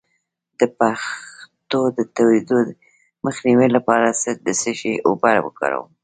د ویښتو د تویدو مخنیوي لپاره د څه شي اوبه وکاروم؟